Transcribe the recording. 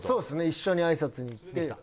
一緒に挨拶に行ってできた？